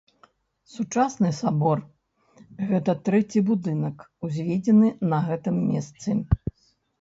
Сучасны сабор гэта трэці будынак, узведзены на гэтым месцы.